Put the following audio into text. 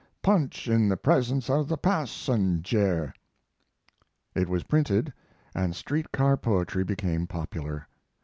Punch in the presence of the passenjare! It was printed, and street car poetry became popular.